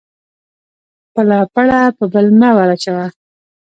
خپله پړه په بل مه ور اچوه